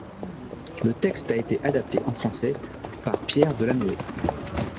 Le texte a été adapté en français par Pierre Delanoë.